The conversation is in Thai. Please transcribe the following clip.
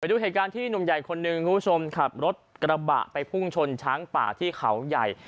ดูเหตุการณ์ที่หนุ่มใหญ่คนหนึ่งคุณผู้ชมขับรถกระบะไปพุ่งชนช้างป่าที่เขาใหญ่